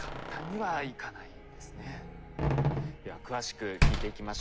では詳しく聞いていきましょう。